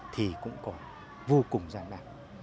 thì cũng có vô cùng giả nạc